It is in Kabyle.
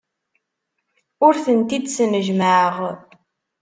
Ur tent-id-snejmaɛeɣ.